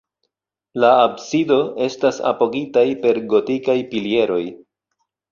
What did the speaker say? La absido estas apogitaj per gotikaj pilieroj.